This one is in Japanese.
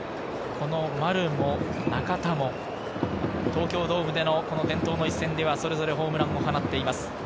丸も中田も東京ドームでの伝統の一戦では、それぞれホームランを放っています。